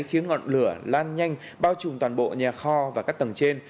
khiến ngọn lửa lan nhanh bao trùm toàn bộ nhà kho và các tầng trên